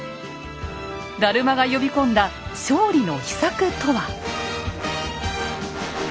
達磨が呼び込んだ勝利の秘策とは？